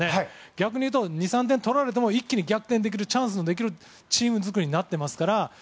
逆に言うと２３点取られても逆転できるチャンスにできるチーム作りになってますから。